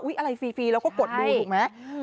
อะไรฟรีเราก็กดดูถูกไหม